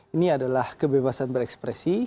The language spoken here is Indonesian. ini adalah kebebasan berekspresi